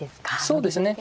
そうですね。